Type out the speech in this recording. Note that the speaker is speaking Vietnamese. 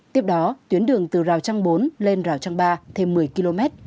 tiếp đó tuyến đường từ rào trăng bốn lên rào trang ba thêm một mươi km